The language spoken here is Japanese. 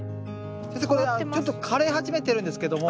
先生これちょっと枯れ始めてるんですけども。